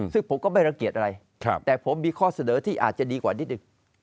ซึ่งผมก็ไม่รังเกียจอะไรแต่ผมมีข้อเสนอที่อาจจะดีกว่านิดหนึ่ง